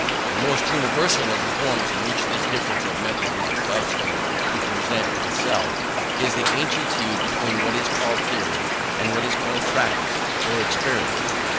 The most universal of the forms in which this difference of method is accustomed to present itself, is the ancient feud between what is called theory, and what is called practice or experience.